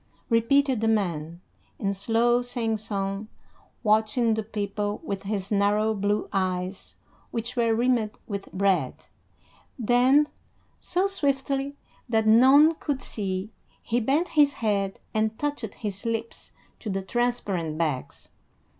repeated the man, in slow singsong, watching the people with his narrow blue eyes which were rimmed with red; then, so swiftly that none could see, he bent his head and touched his lips to the transparent bags.